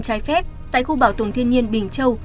trái phép tại khu bảo tồn thiên nhiên bình châu